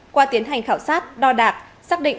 qua tiến hành khảo sát đo đạt xác định